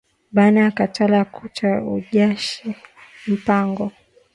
Bana katala kutu ujisha mpango